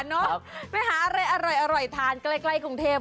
อะไรอร่อยทานใกล้กรงเทพฯ